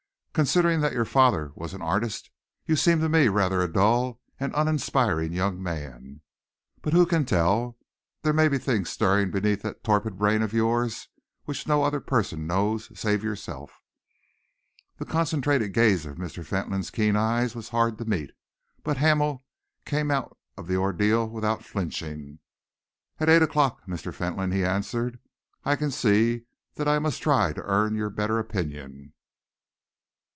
Considering that your father was an artist, you seem to me rather a dull and uninspired young man. But who can tell? There may be things stirring beneath that torpid brain of yours of which no other person knows save yourself." The concentrated gaze of Mr. Fentolin's keen eyes was hard to meet, but Hamel came out of the ordeal without flinching. "At eight o'clock, Mr. Fentolin," he answered. "I can see that I must try to earn your better opinion."